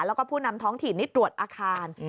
แล้วก็ผู้นำท้องถิ่นนี่ตรวจอาคาร